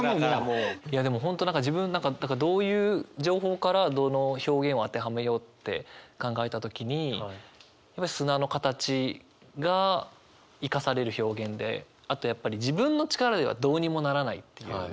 いやでも本当何か自分何かどういう情報からどの表現を当てはめようって考えた時に砂の形が生かされる表現であとやっぱり自分の力ではどうにもならないっていう。